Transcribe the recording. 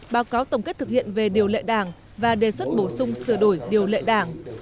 báo cáo tổng kết thực hiện về điều lệ đảng và đề xuất bổ sung sửa đổi điều lệ đảng